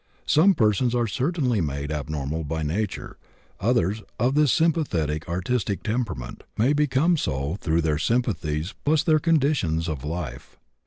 Some persons are certainly made abnormal by nature, others, of this sympathetic artistic temperament, may become so through their sympathies plus their conditions of life."